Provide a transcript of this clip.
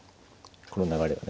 この流れはね。